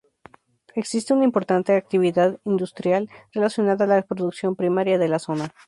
Existe una importante actividad industrial relacionada a la producción primaria de la zona.